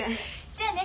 じゃあね。